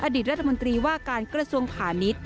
อดีตรัฐมนตรีว่าการกระทรวงพาณิชย์